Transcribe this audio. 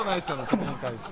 それに対して。